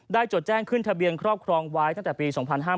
จดแจ้งขึ้นทะเบียนครอบครองไว้ตั้งแต่ปี๒๕๕๙